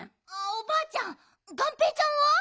おばあちゃんがんぺーちゃんは？